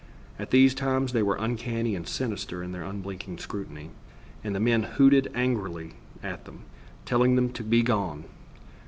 At these times they were uncanny and sinister in their unblinking scrutiny, and the men hooted angrily at them, telling them to be gone.